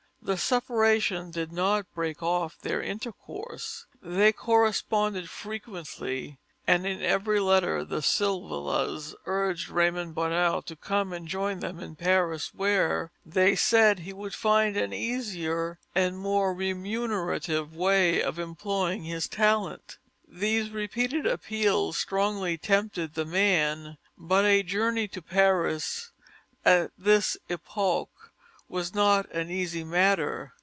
The separation did not break off their intercourse. They corresponded frequently and in every letter the Silvelas urged Raymond Bonheur to come and join them in Paris where, they said, he would find an easier and more remunerative way of employing his talent. These repeated appeals strongly tempted the man, but a journey to Paris, at this epoch, was not an easy matter.